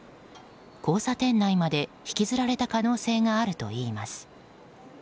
交差点内まで引きずられた可能性があるといいます。